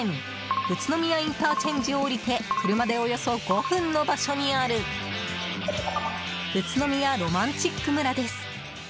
宇都宮ＩＣを降りて車でおよそ５分の場所にあるうつのみやろまんちっく村です。